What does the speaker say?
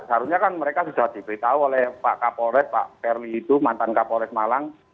seharusnya kan mereka sudah diberitahu oleh pak kapolres pak perli itu mantan kapolres malang